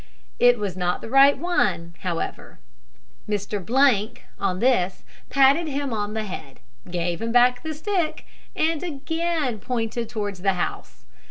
It was not the right one, however. Mr on this patted him on the head, gave him back the stick, and again pointed towards the house.